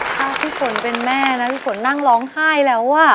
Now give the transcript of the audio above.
ถ้าพี่ฝนเป็นแม่นะพี่ฝนนั่งร้องไห้แล้วอ่ะ